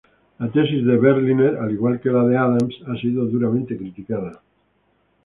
La tesis de Berliner, al igual que la de Adams, ha sido duramente criticada.